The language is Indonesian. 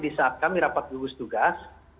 di saat kami rapat gugus tugas